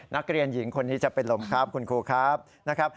นักเรียนหญิงคนนี้จะเป็นลมครับคุณครูครับนะครับ